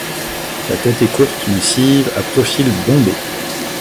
La tête est courte, massive, à profil bombé.